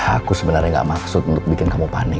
aku sebenarnya gak maksud untuk bikin kamu panik